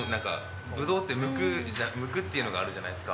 ブドウってむくっていうのがあるじゃないですか。